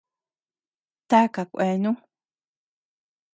¿Taka kuenu?